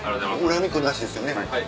恨みっこなしですよね。